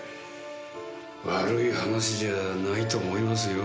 悪い話じゃないと思いますよ。